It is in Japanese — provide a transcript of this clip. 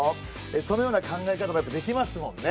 そのような考え方がやっぱできますもんね。